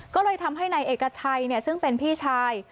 ก็เลยทำให้นายเอกชัยซึ่งเป็นพี่ชาย